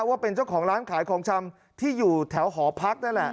ว่าเป็นเจ้าของร้านขายของชำที่อยู่แถวหอพักนั่นแหละ